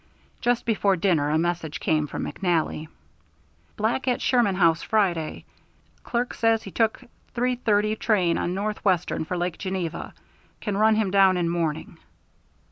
Just before dinner a message came from McNally: Black at Sherman House Friday. Clerk says he took three thirty train on Northwestern for Lake Geneva. Can run him down in morning.